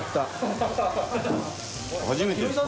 初めてですか？